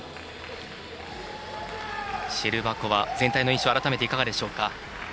シェルバコワ、全体の印象改めていかがでしょうか。